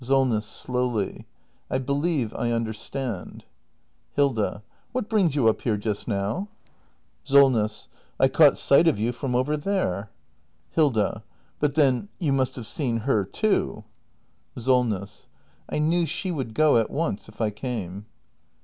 [Slowly.] I believe I understand Hilda. What brings you up here just now ? Solness. I caught sight of you from over there. Hilda. But then you must have seen her too? 398 THE MASTER BUILDER [act hi SOLNESS. I knew she would go at once if I came.